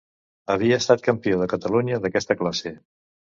Havia estat campió de Catalunya d’aquesta classe.